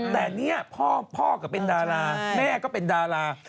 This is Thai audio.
แต่เนี่ยพ่อก็เป็นดาราแม่ก็เป็นดารา